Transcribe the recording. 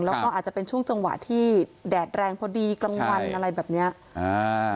แล้วก็อาจจะเป็นช่วงจังหวะที่แดดแรงพอดีกลางวันอะไรแบบเนี้ยอ่า